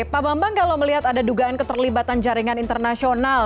pak bambang kalau melihat ada dugaan keterlibatan jaringan internasional